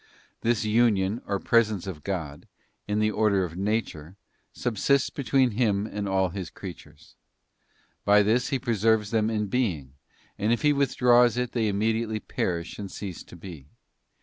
This union or presence of God, in the order of nature, subsists between Him and all His creatures. By this He preserves them in being, and if He withdraws it they immediately perish and cease to be.